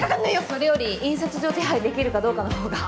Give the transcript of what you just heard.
それより印刷所を手配できるかどうかのほうが。